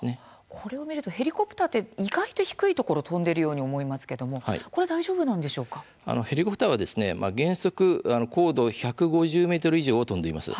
これを見るとヘリコプターって意外と低いところを飛んでるように思いますけれどもヘリコプターは原則高度１５０ｍ以上を飛んでいます。